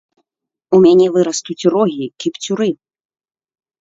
У мяне вырастуць рогі, кіпцюры.